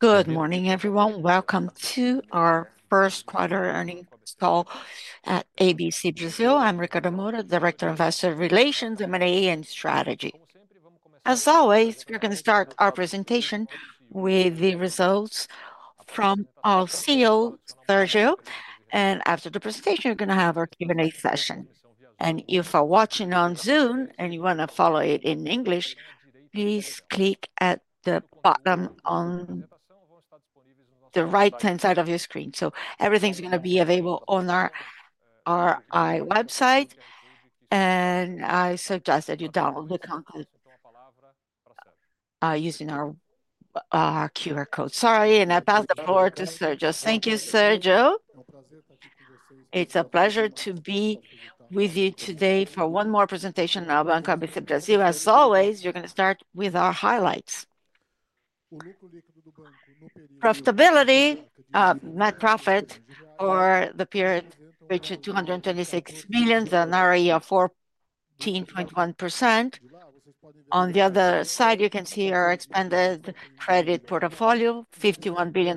Good morning, everyone. Welcome to our first quarter earnings call at ABC Brasil. I'm Ricardo Moura, Director of Investor Relations, M&A, and Strategy. As always, we're going to start our presentation with the results from our CEO, Sergio, and after the presentation, we're going to have our Q&A session. If you're watching on Zoom and you want to follow it in English, please click at the bottom on the right-hand side of your screen. Everything's going to be available on our website, and I suggest that you download the content using our QR code. Sorry, I pass the floor to Sergio. Thank you, Sergio. It's a pleasure to be with you today for one more presentation of Banco ABC Brasil. As always, we're going to start with our highlights. Profitability, net profit for the period reached 226 million and an ROE of 14.1%. On the other side, you can see our expanded credit portfolio, 51 billion,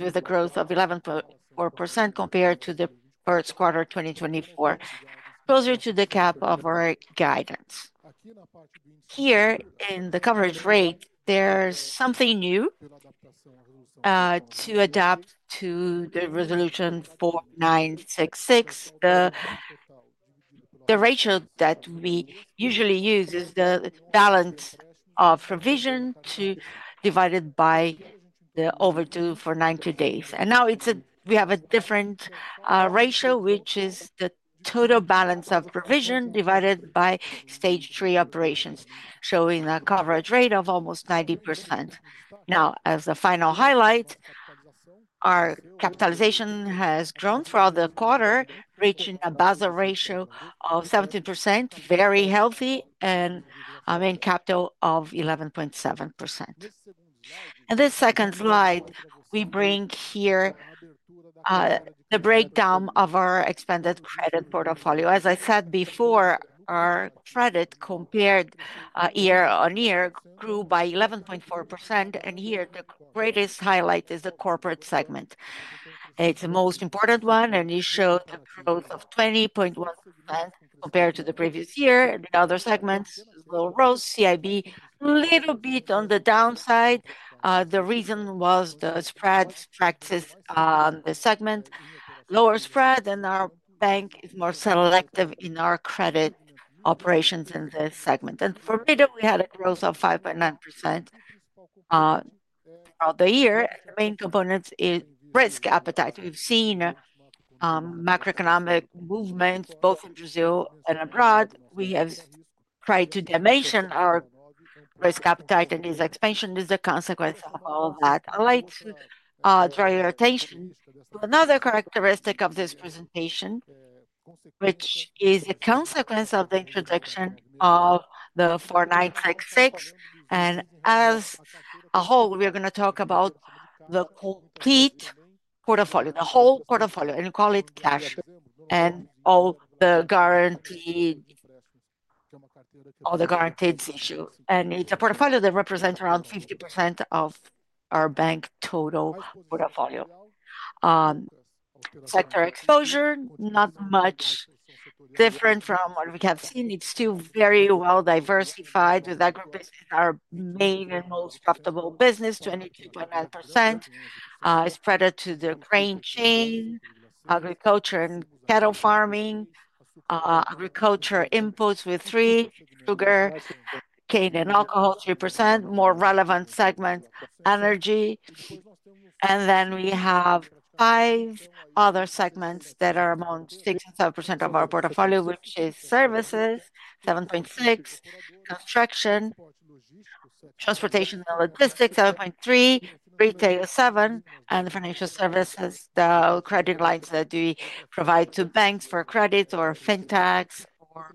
with a growth of 11.4% compared to the first quarter of 2024, closer to the cap of our guidance. Here in the coverage rate, there's something new to adapt to the resolution 4966. The ratio that we usually use is the balance of provision divided by the overdue for 90 days. Now we have a different ratio, which is the total balance of provision divided by stage three operations, showing a coverage rate of almost 90%. Now, as a final highlight, our capitalization has grown throughout the quarter, reaching a Basel ratio of 17%, very healthy, and a capital of 11.7%. In this second slide, we bring here the breakdown of our expanded credit portfolio. As I said before, our credit compared year on year grew by 11.4%, and here the greatest highlight is the corporate segment. It's the most important one, and it showed a growth of 20.1% compared to the previous year. The other segments, low growth, CIB, a little bit on the downside. The reason was the spread practice on the segment, lower spread, and our bank is more selective in our credit operations in the segment. For Bido, we had a growth of 5.9% throughout the year. The main component is risk appetite. We've seen macroeconomic movements both in Brazil and abroad. We have tried to diminish our risk appetite, and this expansion is a consequence of all that. I'd like to draw your attention to another characteristic of this presentation, which is a consequence of the introduction of the 4966. As a whole, we're going to talk about the complete portfolio, the whole portfolio, and we call it cash. All the guaranteed issues. It's a portfolio that represents around 50% of our bank total portfolio. Sector exposure, not much different from what we have seen. It's still very well diversified, with agribusiness our main and most profitable business, 22.9%, spreaded to the grain chain, agriculture, and cattle farming. Agriculture inputs with three, sugar, cane, and alcohol, 3%, more relevant segment, energy. We have five other segments that are among 6-7% of our portfolio, which is services, 7.6%, construction, transportation, and logistics, 7.3%, retail, 7%, and financial services, the credit lines that we provide to banks for credit or fintechs or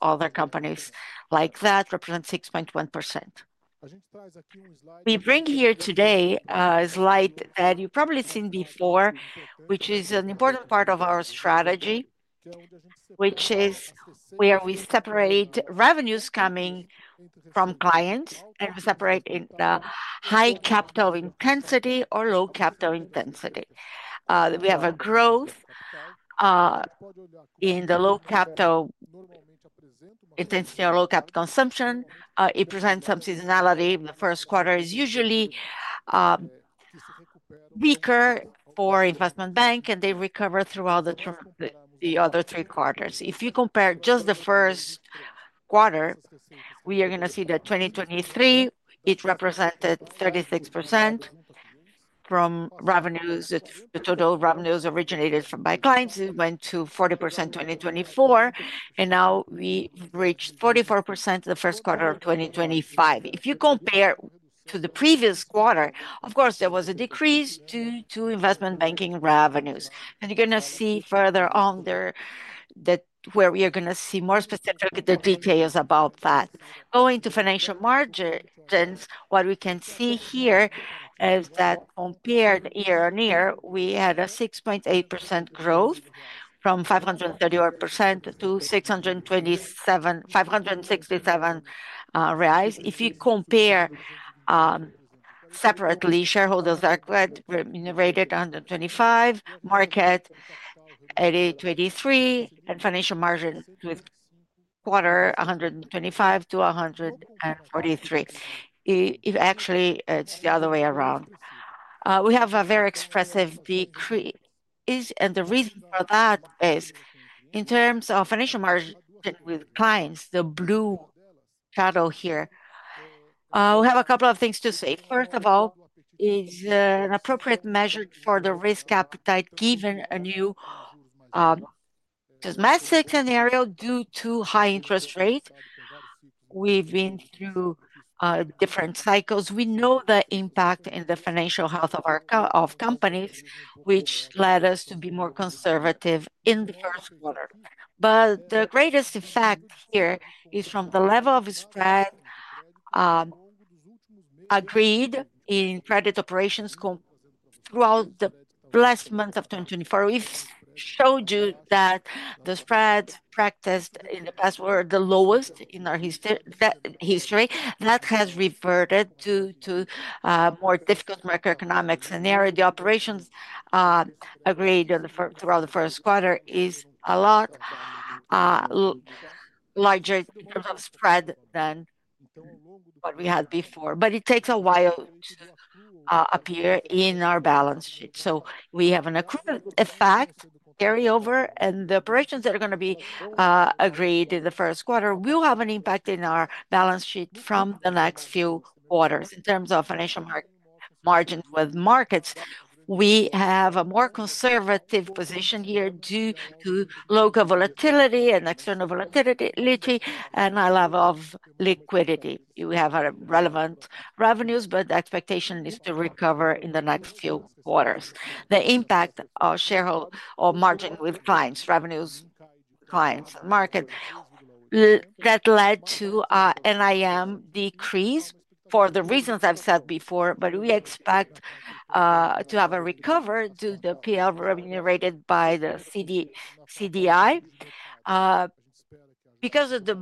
other companies like that, represent 6.1%. We bring here today a slide that you've probably seen before, which is an important part of our strategy, which is where we separate revenues coming from clients and we separate in high capital intensity or low capital intensity. We have a growth in the low capital intensity or low capital consumption. It presents some seasonality. The first quarter is usually weaker for investment bank, and they recover throughout the other three quarters. If you compare just the first quarter, we are going to see that 2023, it represented 36% from revenues. The total revenues originated from my clients. It went to 40% in 2024, and now we've reached 44% the first quarter of 2025. If you compare to the previous quarter, of course, there was a decrease due to investment banking revenues. You're going to see further on there that where we are going to see more specific details about that. Going to financial margins, what we can see here is that compared year on year, we had a 6.8% growth from 531 million to 567 million reais. If you compare separately, shareholders are rated 125, market 8,823, and financial margin with quarter 125 to 143. Actually, it's the other way around. We have a very expressive decrease, and the reason for that is in terms of financial margin with clients, the blue shadow here. We have a couple of things to say. First of all, it's an appropriate measure for the risk appetite given a new domestic scenario due to high interest rates. We've been through different cycles. We know the impact in the financial health of companies, which led us to be more conservative in the first quarter. The greatest effect here is from the level of spread agreed in credit operations throughout the last month of 2024. We have showed you that the spread practiced in the past were the lowest in our history. That has reverted to a more difficult macroeconomic scenario. The operations agreed throughout the first quarter is a lot larger in terms of spread than what we had before. It takes a while to appear in our balance sheet. We have an accrued effect, carryover, and the operations that are going to be agreed in the first quarter will have an impact in our balance sheet from the next few quarters. In terms of financial margins with markets, we have a more conservative position here due to local volatility and external volatility and a level of liquidity. We have relevant revenues, but the expectation is to recover in the next few quarters. The impact of shareholder margin with clients, revenues, clients, and market, that led to an NIM decrease for the reasons I've said before, but we expect to have a recovery due to the PL revenue rated by the CDI. Because of the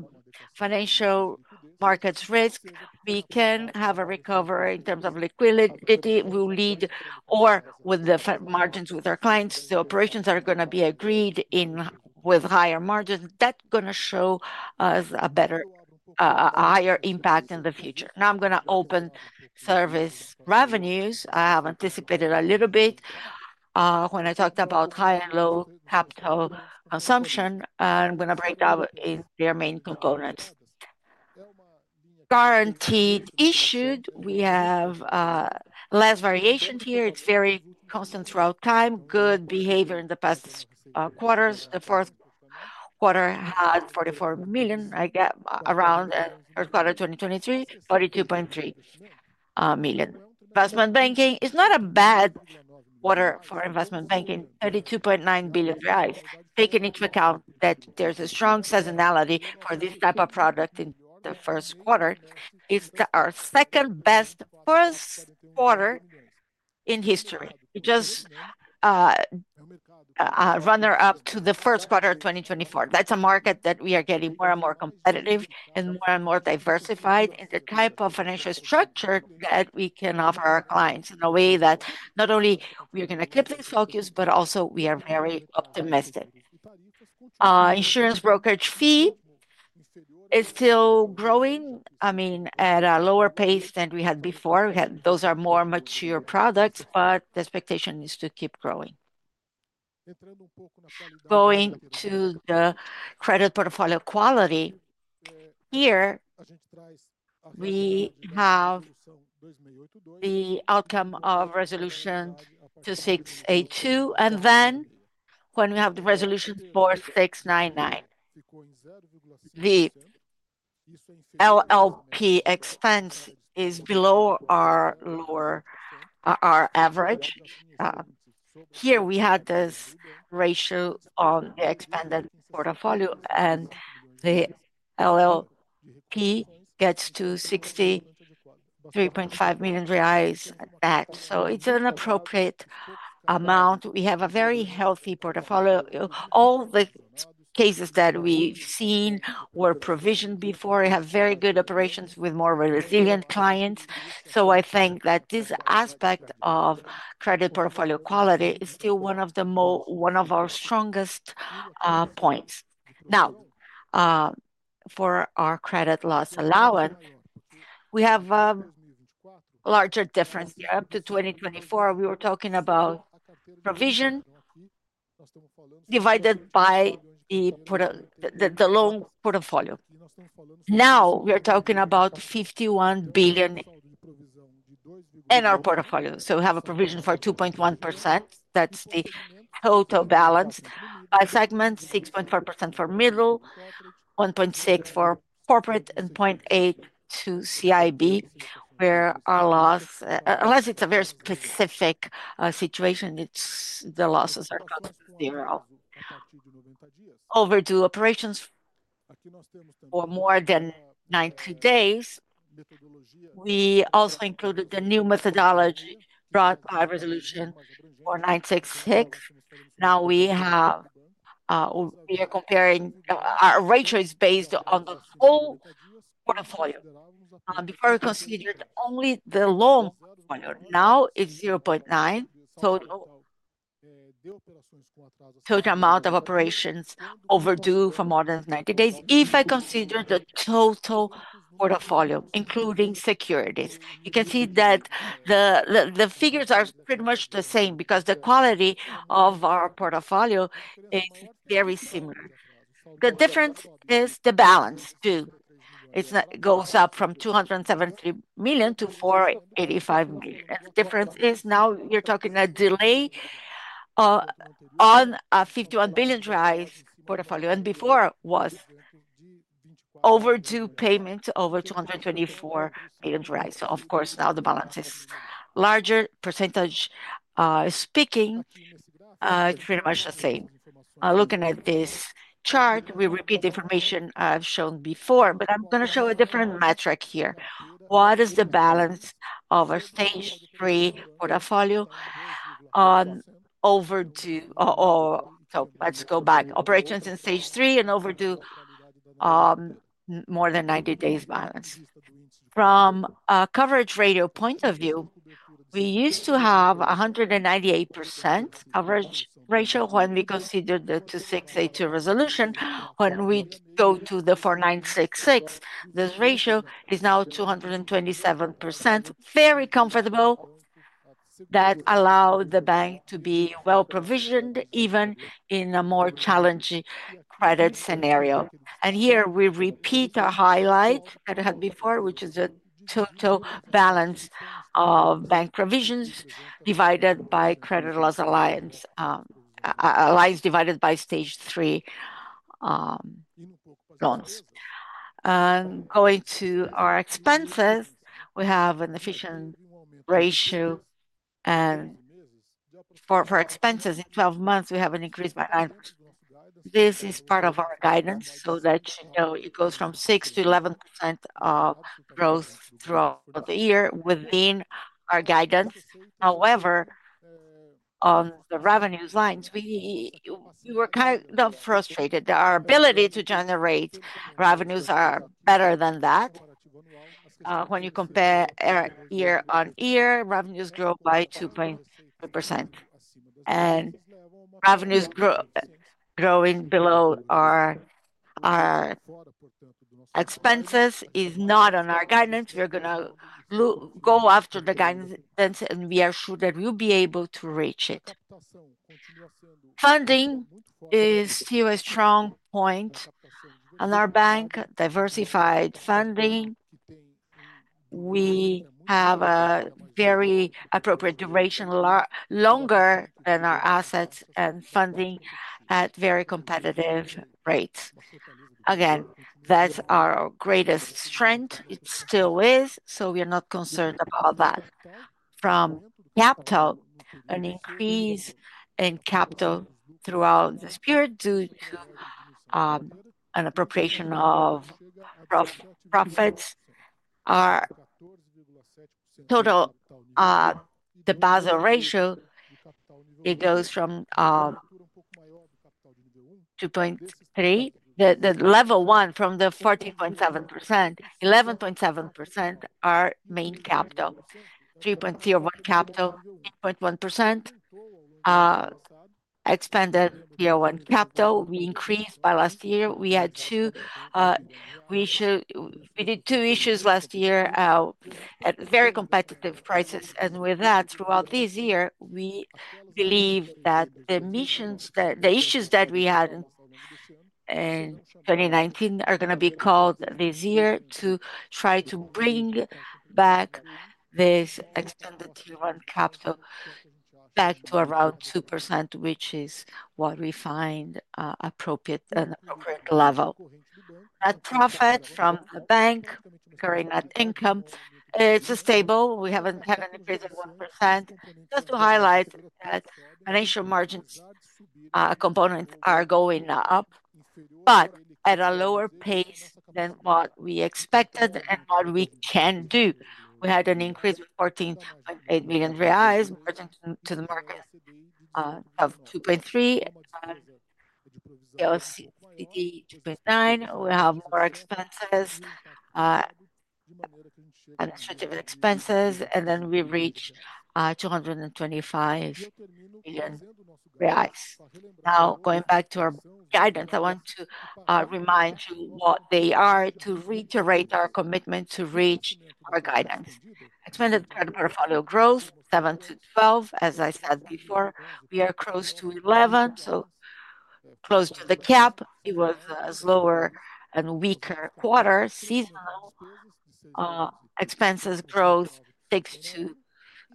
financial markets risk, we can have a recovery in terms of liquidity will lead or with the margins with our clients. The operations are going to be agreed with higher margins. That's going to show us a higher impact in the future. Now I'm going to open service revenues. I have anticipated a little bit when I talked about high and low capital consumption. I'm going to break down their main components. Guarantees issued, we have less variation here. It's very constant throughout time. Good behavior in the past quarters. The fourth quarter had 44 million, I guess, around the third quarter of 2023, 42.3 million. Investment banking is not a bad quarter for investment banking, 32.9 million. Taking into account that there's a strong seasonality for this type of product in the first quarter, it's our second best first quarter in history. Just runner-up to the first quarter of 2024. That's a market that we are getting more and more competitive and more and more diversified in the type of financial structure that we can offer our clients in a way that not only we are going to keep this focus, but also we are very optimistic. Insurance brokerage fee is still growing. I mean, at a lower pace than we had before. Those are more mature products, but the expectation is to keep growing. Going to the credit portfolio quality here, we have the outcome of resolution 2682, and then when we have the resolution 4699, the LLP expense is below our average. Here we had this ratio on the expanded portfolio, and the LLP gets to 63.5 million reais at that. So it's an appropriate amount. We have a very healthy portfolio. All the cases that we've seen were provisioned before. We have very good operations with more resilient clients. I think that this aspect of credit portfolio quality is still one of our strongest points. Now, for our credit loss allowance, we have a larger difference. Up to 2024, we were talking about provision divided by the loan portfolio. Now we are talking about 51 billion in our portfolio. So we have a provision for 2.1%. That's the total balance by segment, 6.4% for middle, 1.6% for corporate, and 0.8% to CIB, where our loss, unless it's a very specific situation, the losses are 0. Overdue operations for more than 90 days. We also included the new methodology brought by resolution 4966. Now we are comparing our ratio based on the whole portfolio. Before, we considered only the loan portfolio. Now it is 0.9%, total amount of operations overdue for more than 90 days. If I consider the total portfolio, including securities, you can see that the figures are pretty much the same because the quality of our portfolio is very similar. The difference is the balance too. It goes up from 273 million to 485 million. The difference is now you are talking a delay on a 51 billion portfolio, and before it was overdue payment over 224 million. Of course, now the balance is larger. Percentage speaking, it is pretty much the same. Looking at this chart, we repeat the information I have shown before, but I am going to show a different metric here. What is the balance of a stage three portfolio overdue? Let's go back. Operations in stage three and overdue more than 90 days balance. From a coverage ratio point of view, we used to have 198% coverage ratio when we considered the 2682 resolution. When we go to the 4966, this ratio is now 227%. Very comfortable, that allowed the bank to be well provisioned even in a more challenging credit scenario. Here we repeat our highlight that I had before, which is the total balance of bank provisions divided by credit loss alliance divided by stage three loans. Going to our expenses, we have an efficiency ratio, and for expenses in 12 months, we have an increase by 9%. This is part of our guidance so that you know it goes from 6%-11% of growth throughout the year within our guidance. However, on the revenues lines, we were kind of frustrated. Our ability to generate revenues is better than that. When you compare year on year, revenues grew by 2.3%. Revenues growing below our expenses is not on our guidance. We are going to go after the guidance, and we are sure that we will be able to reach it. Funding is still a strong point on our bank, diversified funding. We have a very appropriate duration, longer than our assets and funding at very competitive rates. Again, that is our greatest strength. It still is, so we are not concerned about that. From capital, an increase in capital throughout this period due to an appropriation of profits. Total deposit ratio, it goes from 2.3%. The level one from the 14.7%, 11.7% are main capital, 3.01 capital, 8.1% expanded year-one capital. We increased by last year. We had two issues last year at very competitive prices. With that, throughout this year, we believe that the issues that we had in 2019 are going to be called this year to try to bring back this expanded year-one capital back to around 2%, which is what we find appropriate and appropriate level. Net profit from the bank, current net income, it's stable. We haven't had an increase of 1%. Just to highlight that financial margins components are going up, but at a lower pace than what we expected and what we can do. We had an increase of 14.8 million reais, margin to the market of 2.3, PL at CDI of 18.9. We have more expenses, administrative expenses, and then we reach 225 million reais. Now, going back to our guidance, I want to remind you what they are to reiterate our commitment to reach our guidance. Expanded credit portfolio growth, 7-12, as I said before. We are close to 11, so close to the cap. It was a slower and weaker quarter. Seasonal expenses growth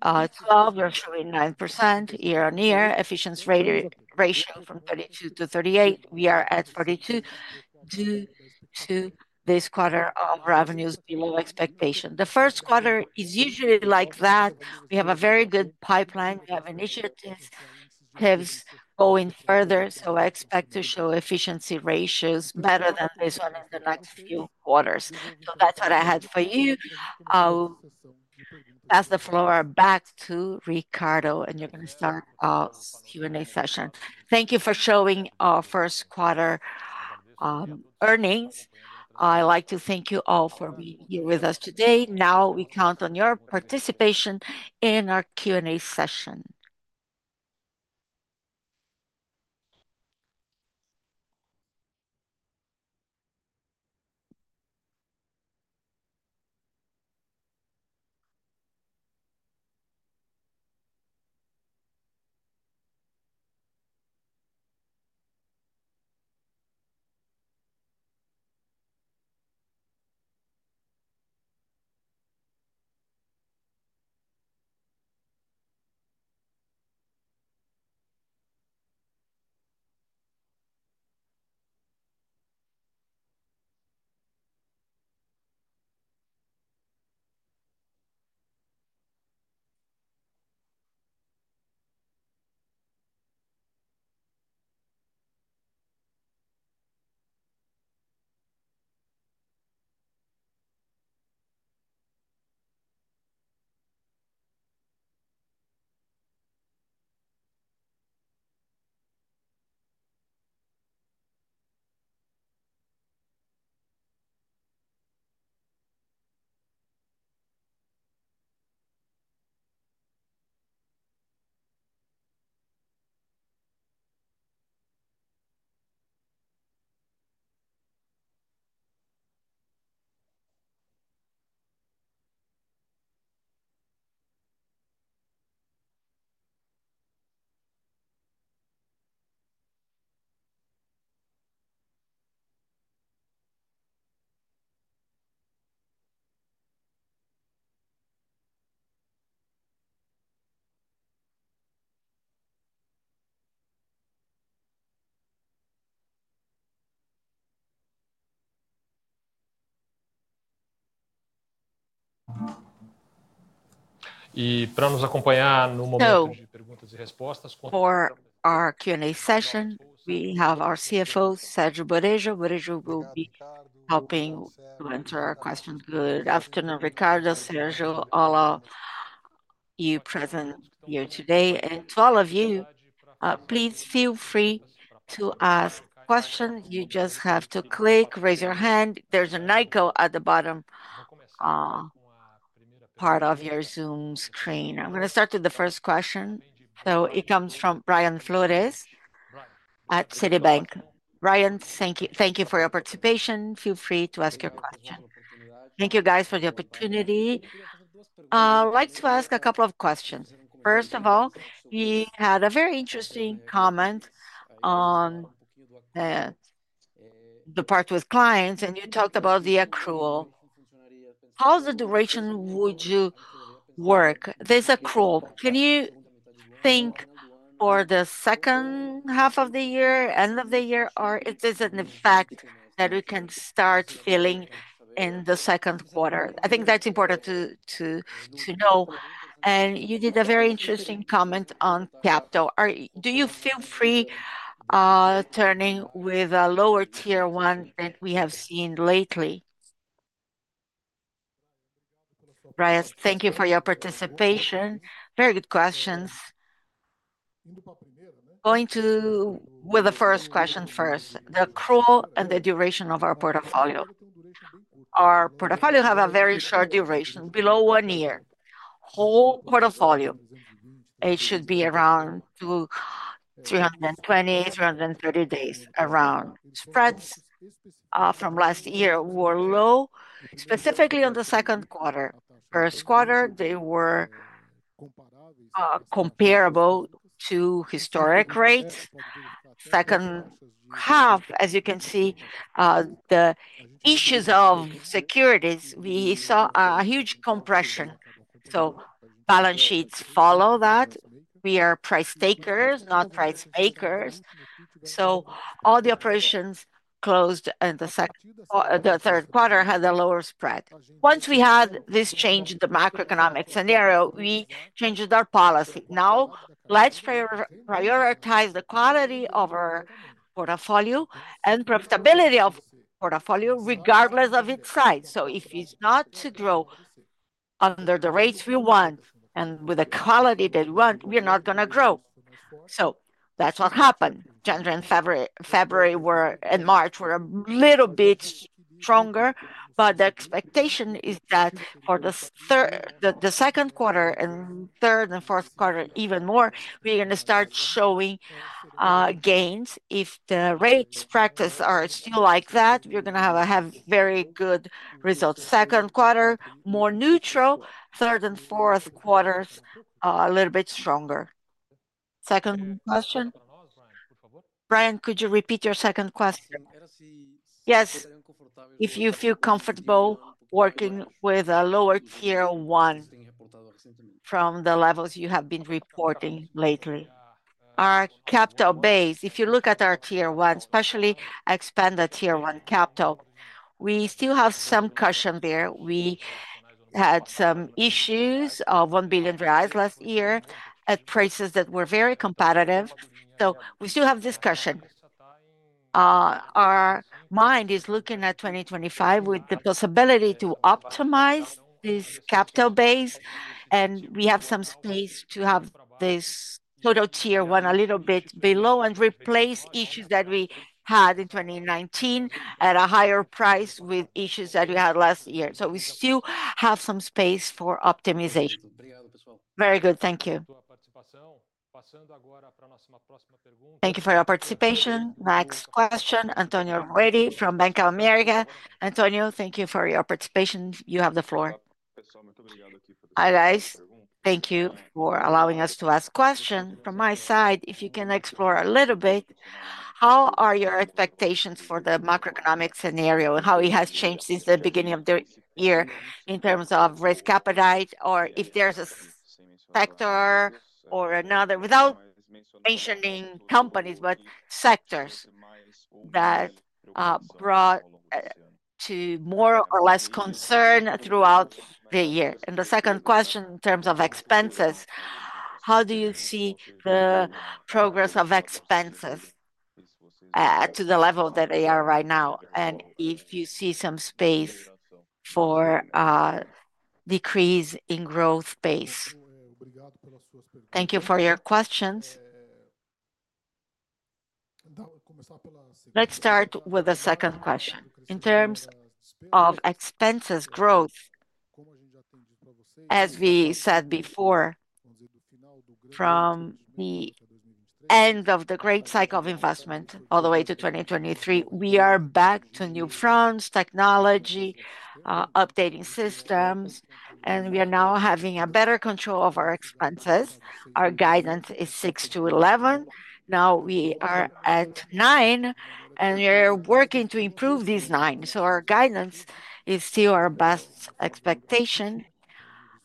6-12, we're showing 9% year-on-year. Efficiency ratio from 32-38. We are at 42% this quarter of revenues, below expectation. The first quarter is usually like that. We have a very good pipeline. We have initiatives going further, so I expect to show efficiency ratios better than this one in the next few quarters. That is what I had for you. Pass the floor back to Ricardo, and you're going to start our Q&A session. Thank you for showing our first quarter earnings. I'd like to thank you all for being here with us today. Now we count on your participation in our Q&A session. [Foreign language} For our Q&A session, we have our CFO, Sergio Borejo. Borejo will be helping to answer our questions. Good afternoon, Ricardo, Sergio, all of you present here today. To all of you, please feel free to ask questions. You just have to click, raise your hand. There is an icon at the bottom part of your Zoom screen. I am going to start with the first question. It comes from Brian Flores at Citibank. Brian, thank you for your participation. Feel free to ask your question. Thank you, guys, for the opportunity. I would like to ask a couple of questions. First of all, we had a very interesting comment on the part with clients, and you talked about the accrual. How is the duration would you work? This accrual, can you think for the second half of the year, end of the year, or is this an effect that we can start feeling in the second quarter? I think that's important to know. You did a very interesting comment on capital. Do you feel free turning with a lower tier one that we have seen lately? Brian, thank you for your participation. Very good questions. Going to with the first question first, the accrual and the duration of our portfolio. Our portfolio has a very short duration, below one year. Whole portfolio, it should be around 320-330 days around. Spreads from last year were low, specifically on the second quarter. First quarter, they were comparable to historic rates. Second half, as you can see, the issues of securities, we saw a huge compression. Balance sheets follow that. We are price takers, not price makers. All the operations closed in the third quarter had a lower spread. Once we had this change in the macroeconomic scenario, we changed our policy. Now, let's prioritize the quality of our portfolio and profitability of portfolio, regardless of its size. If it's not to grow under the rates we want and with the quality that we want, we're not going to grow. That's what happened. January and February and March were a little bit stronger, but the expectation is that for the second quarter and third and fourth quarter, even more, we're going to start showing gains. If the rates practice are still like that, we're going to have very good results. Second quarter, more neutral. Third and fourth quarters, a little bit stronger. Second question. Brian, could you repeat your second question? Yes. If you feel comfortable working with a lower tier one from the levels you have been reporting lately. Our capital base, if you look at our tier one, especially expanded tier one capital, we still have some cushion there. We had some issues of 1 billion reais last year at prices that were very competitive. So we still have discussion. Our mind is looking at 2025 with the possibility to optimize this capital base, and we have some space to have this total tier one a little bit below and replace issues that we had in 2019 at a higher price with issues that we had last year. So we still have some space for optimization. Very good. Thank you. Thank you for your participation. Next question, Antonio Ruette from Bank of America. Antonio, thank you for your participation. You have the floor. Hi, guys. Thank you for allowing us to ask questions. From my side, if you can explore a little bit, how are your expectations for the macroeconomic scenario and how it has changed since the beginning of the year in terms of risk appetite, or if there's a sector or another, without mentioning companies, but sectors that brought to more or less concern throughout the year? The second question, in terms of expenses, how do you see the progress of expenses to the level that they are right now? If you see some space for decrease in growth pace. Thank you for your questions. Let's start with the second question. In terms of expenses growth, as we said before, from the end of the great cycle of investment all the way to 2023, we are back to new fronts, technology, updating systems, and we are now having a better control of our expenses. Our guidance is 6%-11%. Now we are at 9%, and we are working to improve these 9%. So our guidance is still our best expectation.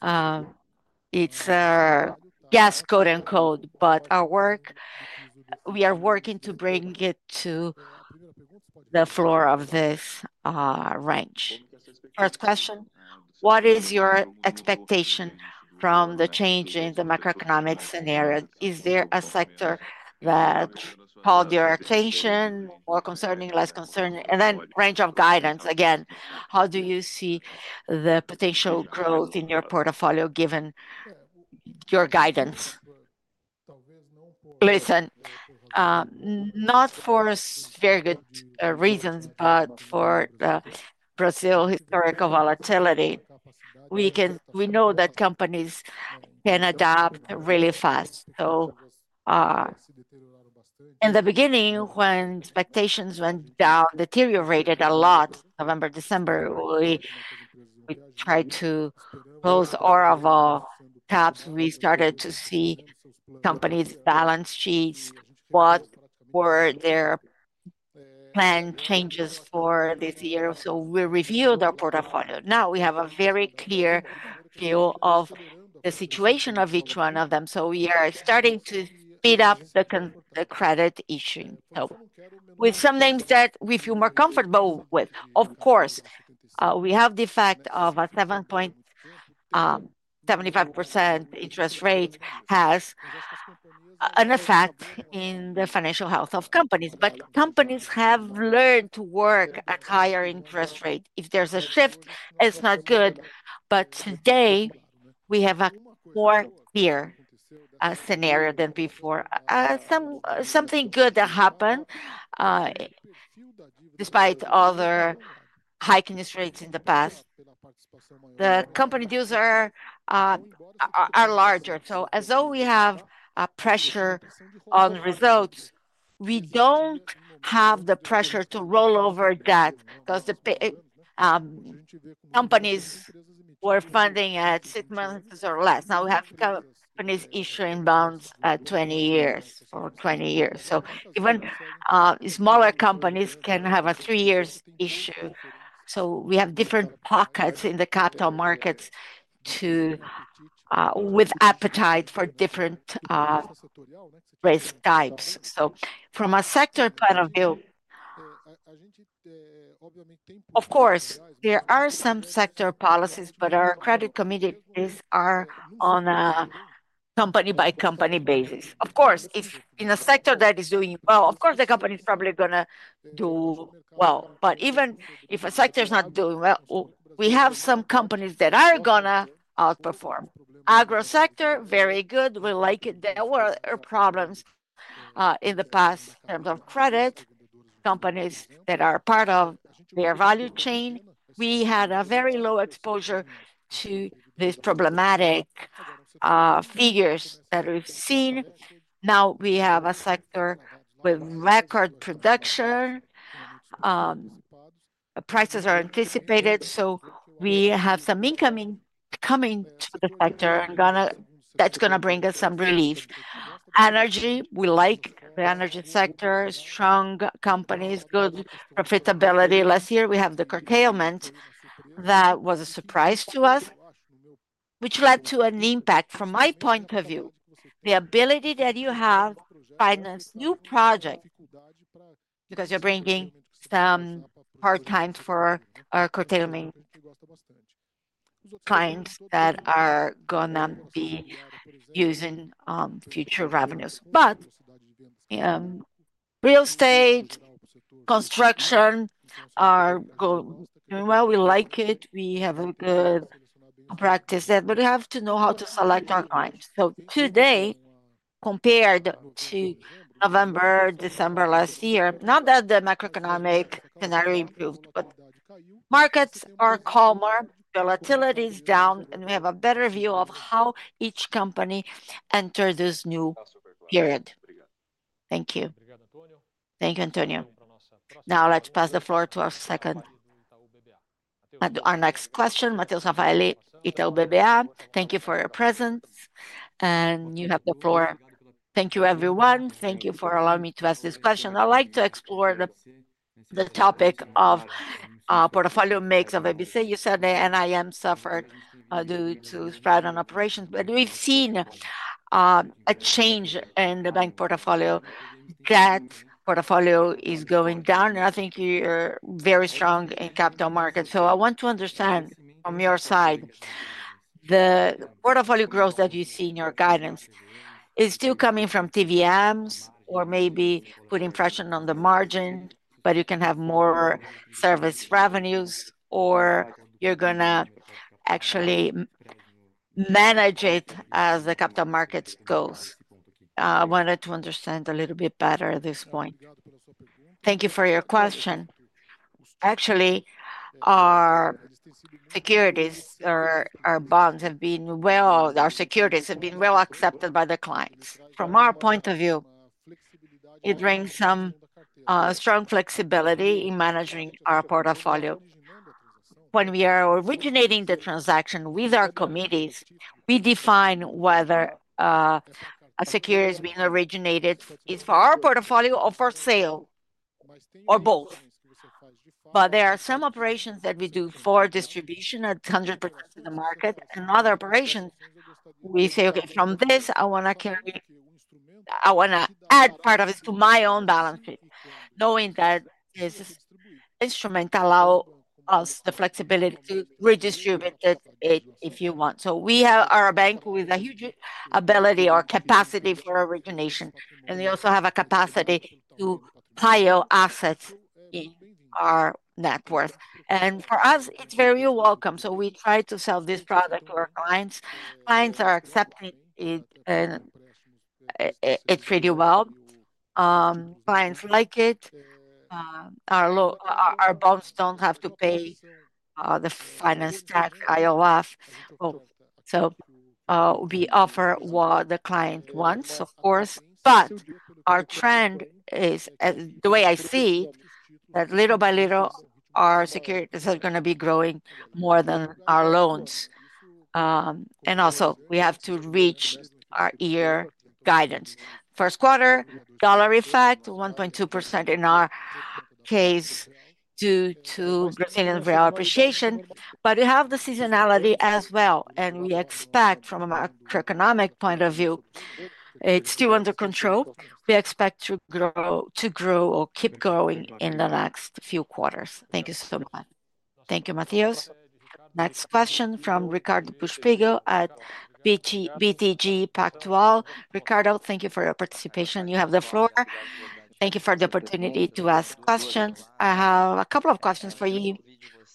It's a guess, quote unquote, but our work, we are working to bring it to the floor of this range. First question, what is your expectation from the change in the macroeconomic scenario? Is there a sector that called your attention, more concerning, less concerning? And then range of guidance again, how do you see the potential growth in your portfolio given your guidance? Listen, not for very good reasons, but for the Brazil historical volatility, we know that companies can adapt really fast. In the beginning, when expectations went down, deteriorated a lot, November, December, we tried to close all of our caps. We started to see companies' balance sheets, what were their planned changes for this year. We reviewed our portfolio. Now we have a very clear view of the situation of each one of them. We are starting to speed up the credit issuing. With some names that we feel more comfortable with, of course, we have the fact of a 7.75% interest rate has an effect in the financial health of companies. Companies have learned to work at higher interest rates. If there is a shift, it is not good. Today, we have a more clear scenario than before. Something good that happened despite other high interest rates in the past. The company deals are larger. As though we have a pressure on results, we do not have the pressure to roll over debt because the companies were funding at six months or less. Now we have companies issuing bonds at 20 years or 20 years. Even smaller companies can have a three-year issue. We have different pockets in the capital markets with appetite for different risk types. From a sector point of view, of course, there are some sector policies, but our credit committees are on a company-by-company basis. Of course, if in a sector that is doing well, the company is probably going to do well. Even if a sector is not doing well, we have some companies that are going to outperform. Agro sector, very good. We like it. There were problems in the past in terms of credit. Companies that are part of their value chain. We had a very low exposure to these problematic figures that we've seen. Now we have a sector with record production. Prices are anticipated. We have some incoming coming to the sector that's going to bring us some relief. Energy, we like the energy sector, strong companies, good profitability. Last year, we had the curtailment that was a surprise to us, which led to an impact from my point of view, the ability that you have to finance new projects because you're bringing some hard times for our curtailment clients that are going to be using future revenues. Real estate, construction are doing well. We like it. We have a good practice that we have to know how to select our clients. Today, compared to November, December last year, not that the macroeconomic scenario improved, but markets are calmer, volatility is down, and we have a better view of how each company enters this new period. Thank you. Thank you, Antonio. Now let's pass the floor to our second, our next question, Mateus Raffaelli, Itaú BBA. Thank you for your presence. And you have the floor. Thank you, everyone. Thank you for allowing me to ask this question. I'd like to explore the topic of portfolio mix of ABC. You said the NIM suffered due to spread on operations, but we've seen a change in the bank portfolio. That portfolio is going down, and I think you're very strong in capital markets. I want to understand from your side, the portfolio growth that you see in your guidance is still coming from TVMs or maybe putting pressure on the margin, but you can have more service revenues, or you're going to actually manage it as the capital markets goes. I wanted to understand a little bit better at this point. Thank you for your question. Actually, our securities, our bonds have been well, our securities have been well accepted by the clients. From our point of view, it brings some strong flexibility in managing our portfolio. When we are originating the transaction with our committees, we define whether a security is being originated for our portfolio or for sale or both. There are some operations that we do for distribution at 100% of the market and other operations. We say, okay, from this, I want to add part of it to my own balance sheet, knowing that this instrument allows us the flexibility to redistribute it if you want. We have our bank with a huge ability or capacity for origination, and we also have a capacity to pile assets in our net worth. For us, it's very welcome. We try to sell this product to our clients. Clients are accepting it pretty well. Clients like it. Our bonds do not have to pay the finance tax IOF. We offer what the client wants, of course. Our trend is, the way I see it, that little by little, our securities are going to be growing more than our loans. We have to reach our year guidance. First quarter, dollar effect, 1.2% in our case due to Brazilian real appreciation. We have the seasonality as well, and we expect from a macroeconomic point of view, it's still under control. We expect to grow or keep growing in the next few quarters. Thank you so much. Thank you, Matheus. Next question from Ricardo Buchpiguel at BTG Pactual. Ricardo, thank you for your participation. You have the floor. Thank you for the opportunity to ask questions. I have a couple of questions for you.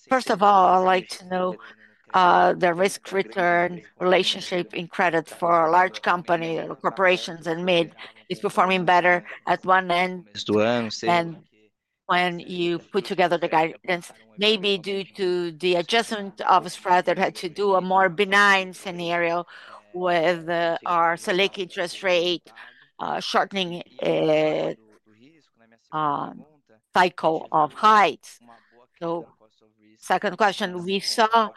First of all, I'd like to know the risk-return relationship in credit for a large company, corporations and mid is performing better at one end. And when you put together the guidance, maybe due to the adjustment of a spread that had to do a more benign scenario with our Selic interest rate shortening cycle of heights. Second question, we saw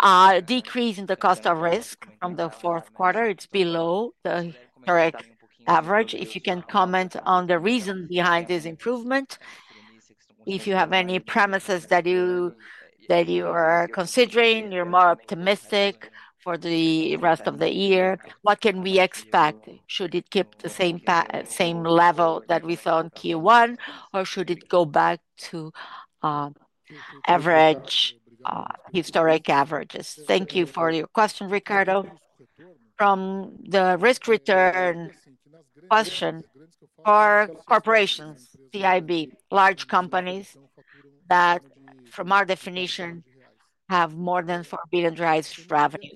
a decrease in the cost of risk from the fourth quarter. It's below the correct average. If you can comment on the reason behind this improvement, if you have any premises that you are considering, you're more optimistic for the rest of the year, what can we expect? Should it keep the same level that we saw in Q1, or should it go back to average historic averages? Thank you for your question, Ricardo. From the risk-return question, our corporations, CIB, large companies that from our definition have more than 4 billion revenue.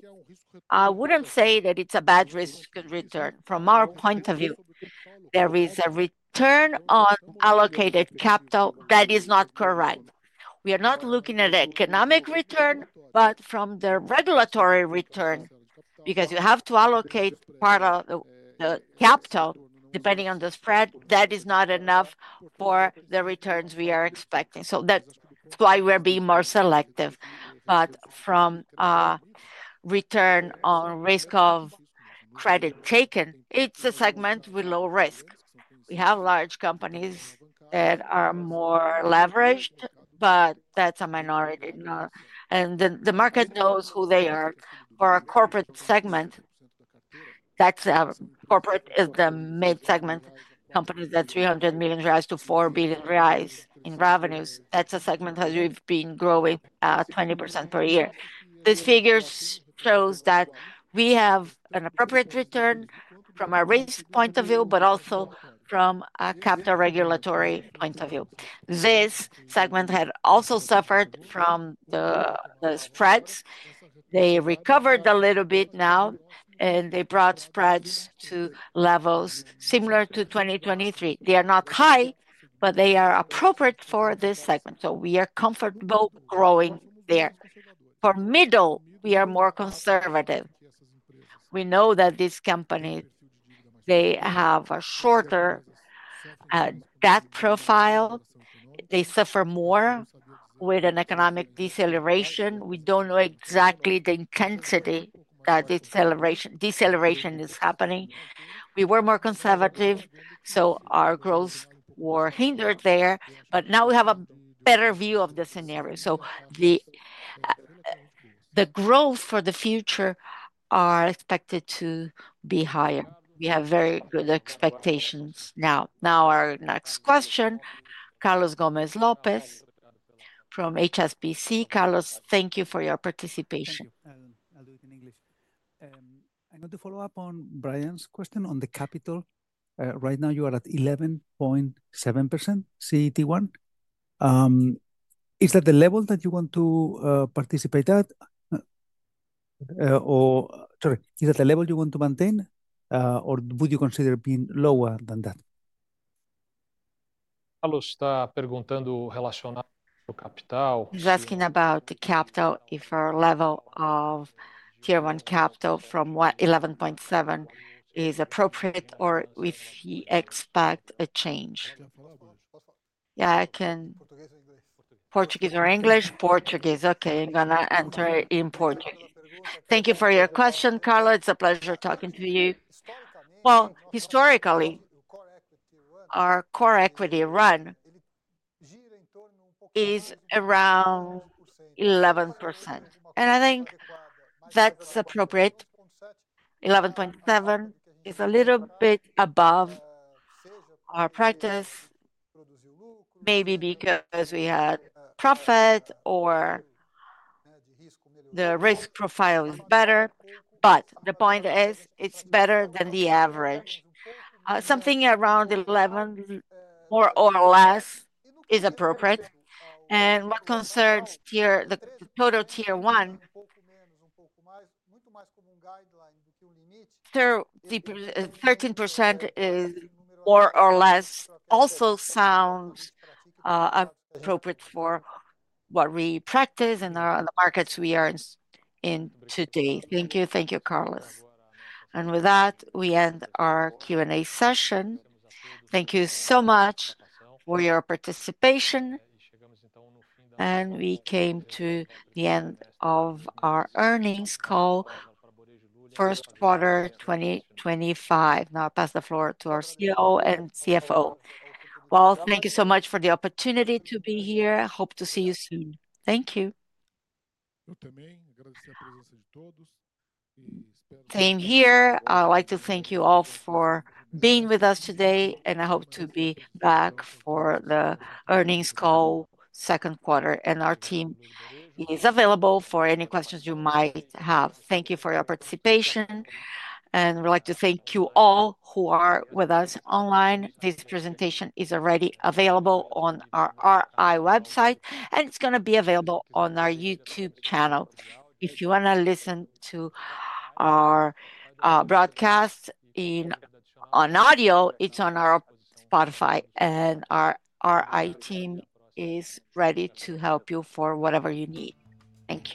I wouldn't say that it's a bad risk-return. From our point of view, there is a return on allocated capital that is not correct. We are not looking at economic return, but from the regulatory return, because you have to allocate part of the capital depending on the spread, that is not enough for the returns we are expecting. That's why we're being more selective. From return on risk of credit taken, it is a segment with low risk. We have large companies that are more leveraged, but that is a minority. The market knows who they are. For a corporate segment, that is a corporate is the mid-segment company that is 300 million-4 billion reais in revenues. That is a segment that we have been growing at 20% per year. These figures show that we have an appropriate return from a risk point of view, but also from a capital regulatory point of view. This segment had also suffered from the spreads. They recovered a little bit now, and they brought spreads to levels similar to 2023. They are not high, but they are appropriate for this segment. We are comfortable growing there. For middle, we are more conservative. We know that these companies, they have a shorter debt profile. They suffer more with an economic deceleration. We don't know exactly the intensity that deceleration is happening. We were more conservative, so our growth was hindered there. Now we have a better view of the scenario. The growth for the future is expected to be higher. We have very good expectations now. Our next question, Carlos Gomez-Lopez from HSBC. Carlos, thank you for your participation. I'll do it in English. To follow up on Brian's question on the capital, right now you are at 11.7% CET1. Is that the level that you want to participate at? Sorry, is that the level you want to maintain, or would you consider being lower than that? Just asking about the capital, if our level of tier one capital from 11.7% is appropriate or if he expects a change. Yeah, I can Portuguese or English? Portuguese. Okay, I'm going to enter in Portuguese. Thank you for your question, Carlos. It's a pleasure talking to you. Historically, our core equity run is around 11%. I think that's appropriate. 11.7% is a little bit above our practice, maybe because we had profit or the risk profile is better. The point is, it's better than the average. Something around 11% more or less is appropriate. What concerns the total tier one, after 13% is more or less also sounds appropriate for what we practice and the markets we are in today. Thank you. Thank you, Carlos. With that, we end our Q&A session. Thank you so much for your participation. We came to the end of our earnings call, first quarter 2025. Now I'll pass the floor to our CEO and CFO. Thank you so much for the opportunity to be here. Hope to see you soon. Thank you. Came here. I'd like to thank you all for being with us today, and I hope to be back for the earnings call second quarter. Our team is available for any questions you might have. Thank you for your participation. We'd like to thank you all who are with us online. This presentation is already available on our RI website, and it's going to be available on our YouTube channel. If you want to listen to our broadcast on audio, it's on our Spotify, and our RI team is ready to help you for whatever you need. Thank you.